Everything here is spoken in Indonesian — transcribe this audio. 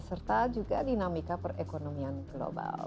serta juga dinamika perekonomian global